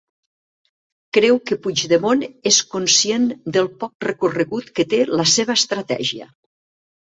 Creu que Puigdemont és conscient del poc recorregut que té la seva estratègia.